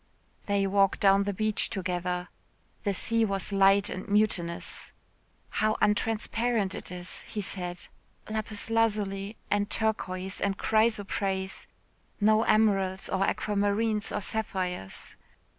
They walked down the beach together. The sea was light and mutinous. "How untransparent it is," he said, "lapis lazuli and turquoise and chrysoprase no emeralds or aquamarines, or sapphires."